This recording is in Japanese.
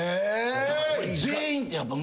全員ってやっぱ難しい。